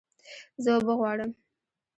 زه اوبه غواړم